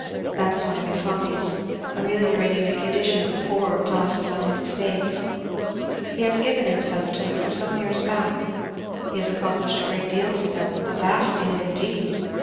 "That's one of his hobbies ameliorating the condition of the poorer classes on his estates. He has given himself to it for some years back; he has accomplished a great deal for them a vast deal indeed!